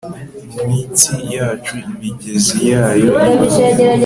Mu mitsi yacu imigezi yayo iba